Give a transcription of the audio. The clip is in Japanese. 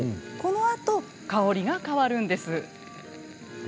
このあと香りが変わるんです。